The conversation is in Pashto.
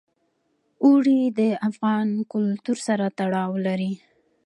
اوړي د افغان کلتور سره تړاو لري.